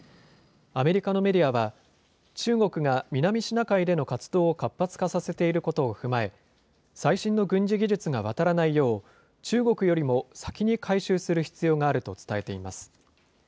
アメリカのメディアは、中国が南シナ海での活動を活発化させていることを踏まえ、最新の軍事技術が渡らないよう、中国よりも先に回収する必要があると伝えています。